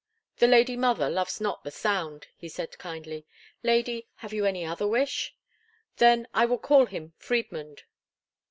"The lady mother loves not the sound," he said, kindly. "Lady, have you any other wish? Then will I call him Friedmund."